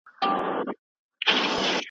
تندرستي یوازې د درملو په خوړلو نه ترلاسه کیږي.